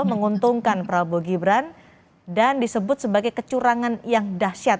menguntungkan prabowo gibran dan disebut sebagai kecurangan yang dahsyat